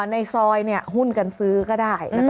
ในซอยหุ้นกันซื้อก็ได้